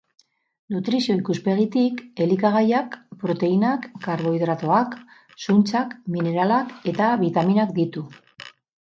Nutrizio-ikuspegitik, elikagaiak proteinak, karbohidratoak, zuntzak, mineralak eta bitaminak ditu.